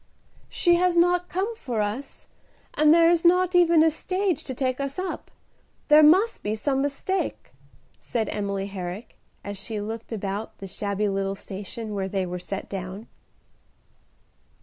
"She has not come for us, and there is not even a stage to take us up. There must be some mistake," said Emily Herrick, as she looked about the shabby little station where they were set down.